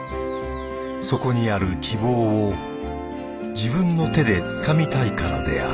そこにある希望を自分の手でつかみたいからである